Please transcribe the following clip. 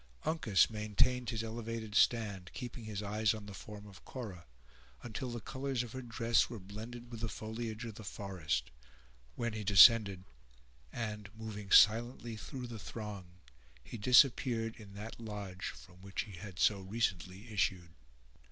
Uncas maintained his elevated stand, keeping his eyes on the form of Cora, until the colors of her dress were blended with the foliage of the forest; when he descended, and, moving silently through the throng, he disappeared in that lodge from which he had so recently issued.